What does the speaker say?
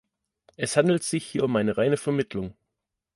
Es handelt sich hier um eine reine Vermittlung.